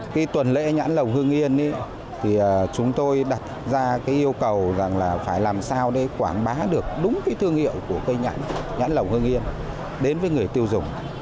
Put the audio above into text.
khi tuần lễ nhãn lồng hương yên thì chúng tôi đặt ra yêu cầu là phải làm sao để quảng bá được đúng thương hiệu của cây nhãn nhãn lồng hương yên đến với người tiêu dùng